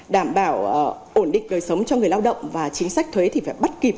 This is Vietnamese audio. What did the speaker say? đảm bảo ổn định đời sống cho người lao động và chính sách thuế thì phải bắt kịp